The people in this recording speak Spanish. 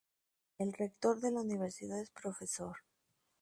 El rector de la universidad es Prof.